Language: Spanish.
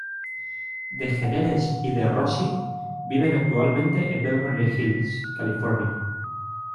DeGeneres y de Rossi viven actualmente en Beverly Hills, California.